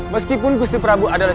meskipun pusri prabu adalah